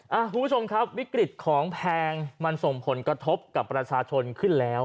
คุณผู้ชมครับวิกฤตของแพงมันส่งผลกระทบกับประชาชนขึ้นแล้ว